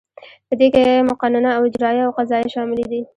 په دې کې مقننه او اجراییه او قضاییه شاملې دي.